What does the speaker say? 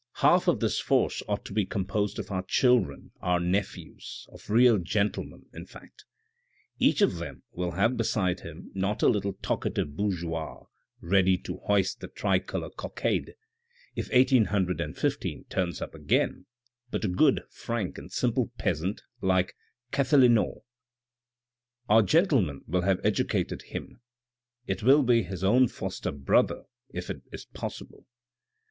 " Half of this force ought to be composed of our children, our nephews, of real gentlemen, in fact. Each of them will have beside him not a little talkative bourgeois ready to hoist the tricolor cockade, if 1815 turns up again, but a good, frank and simple peasant like Catheline.au. Our gentleman will have educated him, it will be his own foster brother if it is possible.